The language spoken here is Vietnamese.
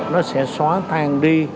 nó sẽ xóa tan đi